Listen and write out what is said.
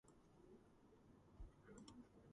მთავარ როლშია მიშა ბარტონი.